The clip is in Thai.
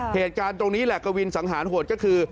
เหตุการณ์ตรงนี้แหละกวินสังหารโหดก็คือ